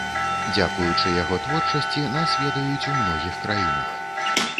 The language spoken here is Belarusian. Дзякуючы яго творчасці нас ведаюць у многіх краінах.